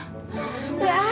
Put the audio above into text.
emak turun tangan ke mana